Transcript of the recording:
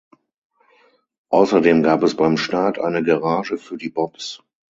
Außerdem gab es beim Start eine Garage für die Bobs.